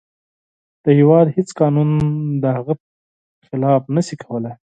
د هیواد هیڅ قانون د هغه پر خلاف نشي کولی.